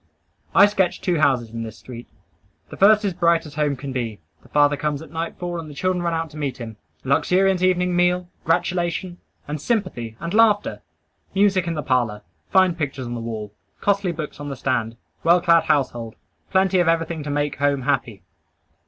I sketch two houses in this street. The first is bright as home can be. The father comes at nightfall, and the children run out to meet him. Luxuriant evening meal, gratulation, and sympathy, and laughter. Music in the parlor. Fine pictures on the wall. Costly books on the stand. Well clad household. Plenty of everything to make home happy.